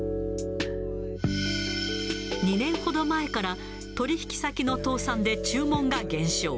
２年ほど前から取り引き先の倒産で注文が減少。